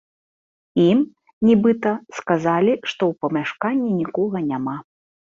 Ім, нібыта, сказалі, што ў памяшканні нікога няма.